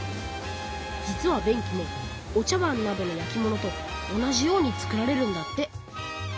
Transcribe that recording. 実は便器もお茶わんなどの焼き物と同じように作られるんだって。